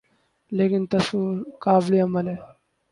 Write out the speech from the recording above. لیکن تصور قابلِعمل ہے